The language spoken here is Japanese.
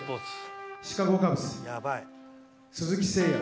シカゴ・カブス鈴木誠也。